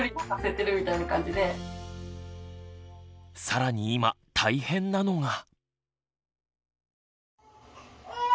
更に今大変なのが。